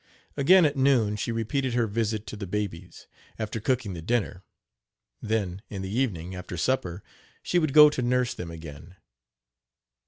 Again at noon she repeated her visit to the babies, after cooking the dinner, then, in the evening, after supper, she would go to nurse them again.